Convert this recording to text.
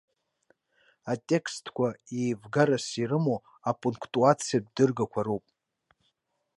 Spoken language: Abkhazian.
Атекстқәа еивгарас ирымоу апунктуациатә дыргақәа роуп.